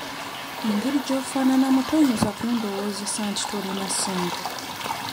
Engeri gy'ofaananamu toyinza kundowoozesa nti tolina ssente.